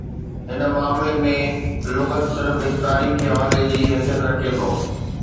هن معاملي ۾، لغت صرف هڪ تاريخي حوالي جي حيثيت رکي ٿو.